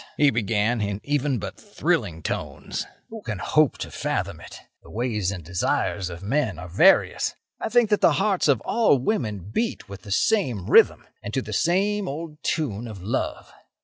he began, in even but thrilling tones—"who can hope to fathom it? The ways and desires of men are various. I think that the hearts of all women beat with the same rhythm, and to the same old tune of love.